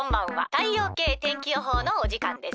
太陽系天気予報のおじかんです。